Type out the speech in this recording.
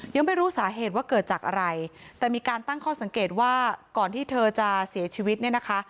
ยังไม่รู้สาเหตุว่าเกิดจากอะไรแต่มีการตั้งข้อสังเกตว่าก่อนที่เธอจะเสียชีวิตเนี่ยนะคะ